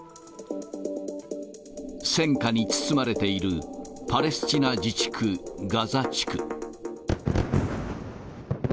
戦火に包まれているパレスチナ自治区ガザ地区。